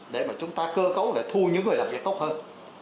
để mà chúng ta cơ cấu để thu những người làm việc tốt hơn